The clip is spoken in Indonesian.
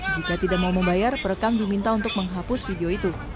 jika tidak mau membayar perekam diminta untuk menghapus video itu